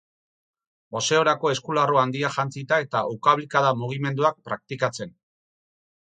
Boxeorako eskularru handiak jantzita eta ukabilkada-mugimenduak praktikatzen.